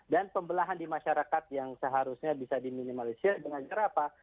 dan pembelahan di masyarakat yang seharusnya bisa diminimalisir dengan cara apa